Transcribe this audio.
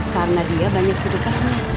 karena dia banyak sedekah ma